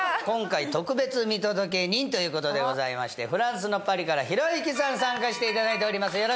今回特別見届け人ということでございましてフランスのパリからひろゆきさん参加していただいております。